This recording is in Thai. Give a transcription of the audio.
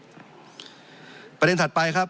จริงโครงการนี้มันเป็นภาพสะท้อนของรัฐบาลชุดนี้ได้เลยนะครับ